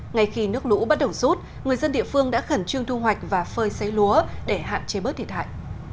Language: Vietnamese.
ngay khi nước lũ bắt đầu rút người dân địa phương đã khẩn trương thu hoạch và phơi xấy lúa để hạn chế bớt thiệt hại